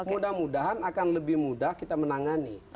mudah mudahan akan lebih mudah kita menangani